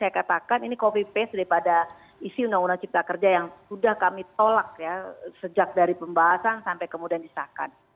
ya memang tadi isi prp juga tadi saya katakan ini covid sembilan belas daripada isi undang undang cipta kerja yang sudah kami tolak ya sejak dari pembahasan sampai kemudian disahkan